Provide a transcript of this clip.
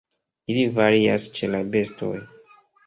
Ili varias ĉe la bestoj.